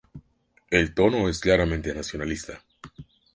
El tono es claramente nacionalista.